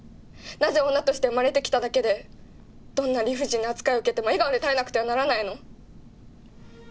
なぜ女として生まれてきただけでどんな理不尽な扱いを受けても笑顔で耐えなくてはならないの？